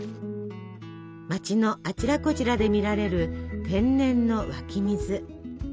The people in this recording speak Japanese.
町のあちらこちらで見られる天然の湧き水。